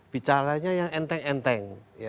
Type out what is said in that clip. bicaranya yang enteng enteng